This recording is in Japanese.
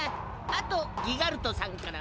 あとギガルトさんからも。